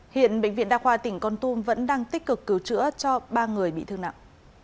hiện bệnh viện đa khoa tỉnh con tum vẫn đang tích cực cứu chữa cho ba người bị thương nặng